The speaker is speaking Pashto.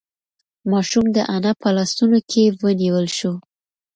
ماشوم د انا په لاسونو کې ونیول شو.